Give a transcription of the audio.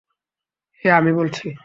হেই, আমি বলছি।